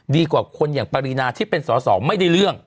ดีกว่าคนอย่างปรินาที่เป็นสอสอไม่ได้เรื่อง